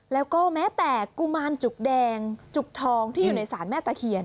แล้วก็แม้แต่กุมารจุกแดงจุกทองที่อยู่ในศาลแม่ตะเคียน